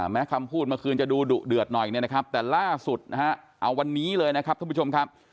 แม้คำพูดเมื่อคืนจะดูดุเดือดหน่อยเนี่ยนะครับแต่ล่าสุดนะฮะเอาวันนี้เลยนะครับท่านผู้ชมครับ